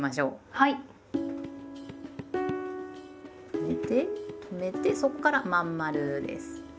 止めて止めてそこから真ん丸です。